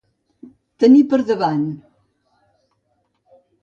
Tenir per davant.